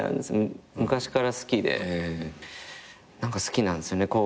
昔から好きで何か好きなんですよね。